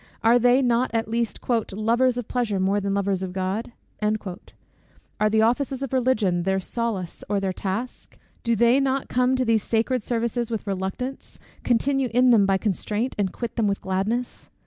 Are they not at least "lovers of pleasure more than lovers of God?" Are the offices of Religion their solace or their task? Do they not come to these sacred services with reluctance, continue in them by constraint, and quit them with gladness?